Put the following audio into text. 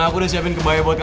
taduh gak ada